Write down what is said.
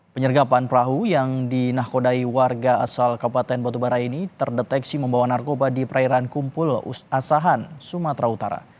penyergapan perahu yang dinakodai warga asal kabupaten batubara ini terdeteksi membawa narkoba di perairan kumpul asahan sumatera utara